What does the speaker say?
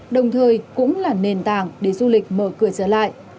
đồng thời cũng là nền tảng để du lịch mở cửa trở lại